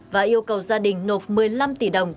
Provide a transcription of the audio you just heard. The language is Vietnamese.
và yêu cầu gia đình nộp một mươi năm tỷ đồng